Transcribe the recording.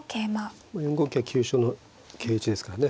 ４五桂急所の桂打ちですからね。